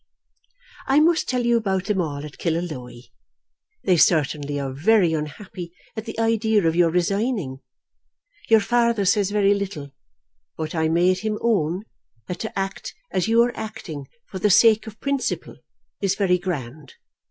I must tell you about them all at Killaloe. They certainly are very unhappy at the idea of your resigning. Your father says very little, but I made him own that to act as you are acting for the sake of principle is very grand.